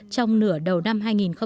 trong nửa đầu năm hai nghìn một mươi tám